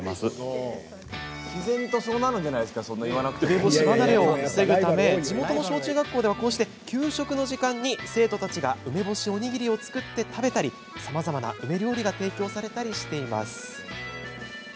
梅干し離れを防ぐため地元の小中学校では給食の時間に生徒たちが梅干しおにぎりを作って食べたりさまざま梅料理が提供されたりしています。